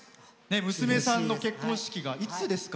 娘さんの結婚式がいつですか？